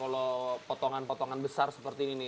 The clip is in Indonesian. kalau potongan potongan besar seperti ini